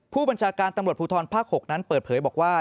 ผู้บัญชาการตำรวจภูทรภาค๖นั้นเปิดเผยบอกว่า